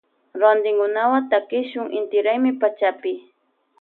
Rontinkunata takishun inti raymi pachapi.